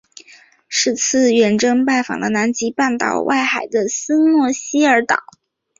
是次远征拜访了南极半岛外海的斯诺希尔岛。